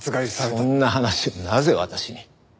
そんな話をなぜ私に？